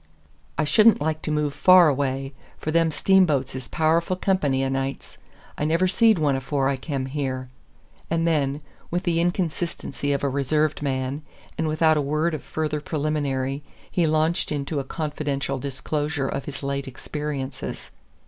"I shouldn't like to move far away, for them steamboats is pow'ful kempany o' nights. I never seed one afore I kem here," and then, with the inconsistency of a reserved man, and without a word of further preliminary, he launched into a confidential disclosure of his late experiences.